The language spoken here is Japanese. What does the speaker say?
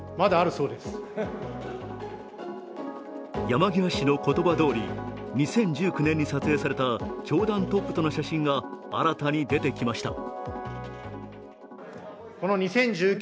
山際氏の言葉どおり、２０１９年に撮影された教団トップとの写真が新たに出てきました。